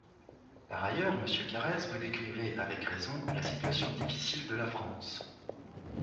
Par ailleurs, monsieur Carrez, vous décrivez, avec raison, la situation difficile de la France.